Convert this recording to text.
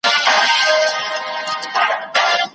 شور ماشور وي د بلبلو بوی را خپور وي د سنځلو